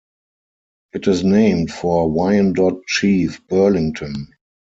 It is named for Wyandot Chief Burlington.